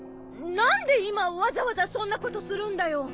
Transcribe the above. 何で今わざわざそんなことするんだよ！